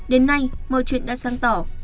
đến nay mọi chuyện đã sáng tỏ